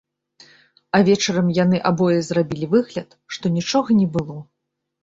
А вечарам яны абое зрабілі выгляд, што нічога не было.